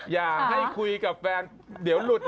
อย่าให้คุยกับแฟนเดี๋ยวหลุด